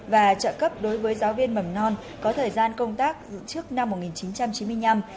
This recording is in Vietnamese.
và trợ cấp đối với giáo viên mầm non có thời gian công tác trước năm một nghìn chín trăm chín mươi năm